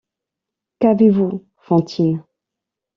Qu’avez-vous, Fantine?